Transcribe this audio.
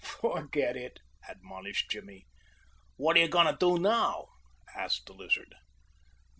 "Forget it," admonished Jimmy. "What are you going to do now?" asked the Lizard.